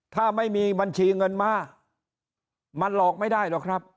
ถ้าไม่มีบัญชีเงินมามันหลอกไม่ได้หรอกครับ